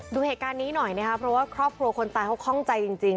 ดูเหตุการณ์นี้หน่อยนะครับเพราะว่าครอบครัวคนตายเขาคล่องใจจริง